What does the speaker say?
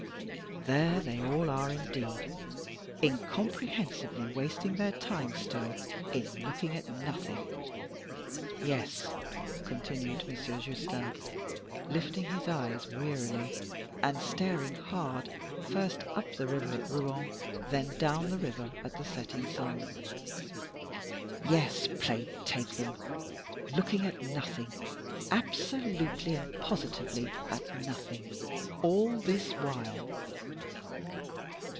There they all are indeed, incomprehensibly wasting their time still in looking at nothing! Yes," continued Monsieur Justin, lifting his eyes wearily, and staring hard, first up the river at Rouen, then down the river at the setting sun; "yes, plague take them! looking at nothing, absolutely and positively at nothing, all this while."